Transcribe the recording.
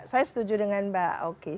saya setuju dengan mbak oki